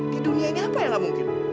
di dunia ini apa yang gak mungkin